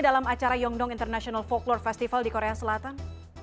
dalam acara yongdong international folklore festival di korea selatan